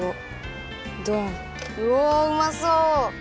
うわうまそう！